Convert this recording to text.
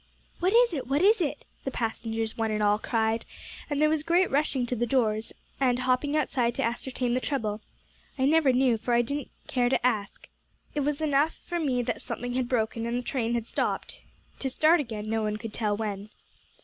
"'What is it what is it?' the passengers one and all cried, and there was great rushing to the doors, and hopping outside to ascertain the trouble. I never knew, for I didn't care to ask. It was enough for me that something had broken, and the train had stopped; to start again no one could tell when."